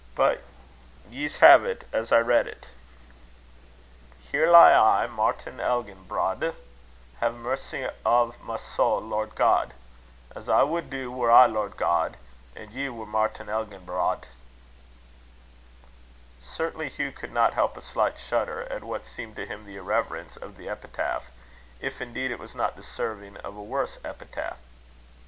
But ye'se hae't as I read it: "'Here lie I, Martin Elginbrodde: Hae mercy o' my soul, Lord God; As I wad do, were I Lord God, And ye were Martin Elginbrodde.'" Certainly Hugh could not help a slight shudder at what seemed to him the irreverence of the epitaph, if indeed it was not deserving of a worse epithet.